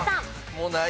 もうない。